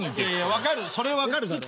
それ分かるだろ？